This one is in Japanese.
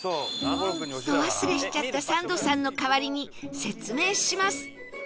ど忘れしちゃったサンドさんの代わりに説明します